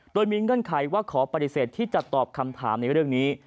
โดยมีเงื่อนไขว่าขอปฏิเสธที่จะตอบคำถามในเรื่องนี้